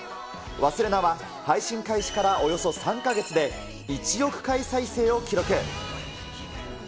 勿忘は、配信開始から僅かおよそ３か月で１億回再生を記録。